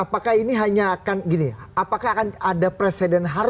pak produser di atas